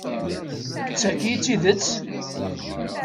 D tagi i d tidett?